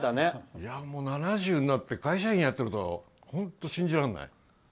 いや、もう７０になって会社員やってるとは本当、信じられない。